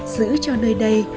giữ cho nơi đây